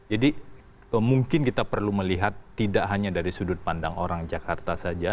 jadi mungkin kita perlu melihat tidak hanya dari sudut pandang orang jakarta saja